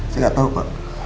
saya gak tau pak